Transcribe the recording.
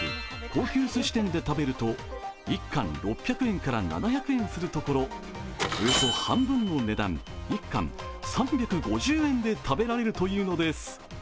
高級すし店で食べると１貫６００円から７００円するところ、およそ半分の値段、１貫３５０円で食べられるというのです。